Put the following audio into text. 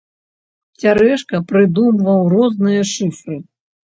Цярэшка прыдумваў розныя шыфры.